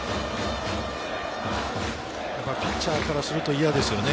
ピッチャーからすると嫌ですよね。